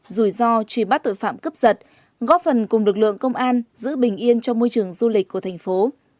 rủi ro truy bắt tội phạm cướp giật góp phần cùng lực lượng công an giữ bình yên cho môi trường du lịch của thành phố